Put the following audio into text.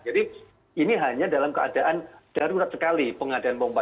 jadi ini hanya dalam keadaan darurat sekali pengadaan pompa